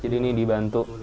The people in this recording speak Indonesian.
jadi ini dibantu